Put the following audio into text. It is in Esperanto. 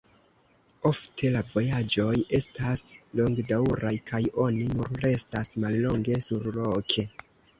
Ofte la vojaĝoj estas longdaŭraj kaj oni nur restas mallonge surloke.